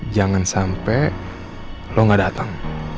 jangan sampai lo gak datang